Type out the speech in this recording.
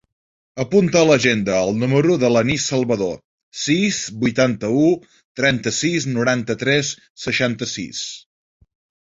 Apunta a l'agenda el número de l'Anis Salvador: sis, vuitanta-u, trenta-sis, noranta-tres, seixanta-sis.